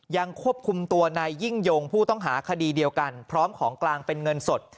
ยังควบคุมตัวนายยิ่งยงผู้ต้องหาคดีเดียวกันพร้อมของกลางเป็นเงินสด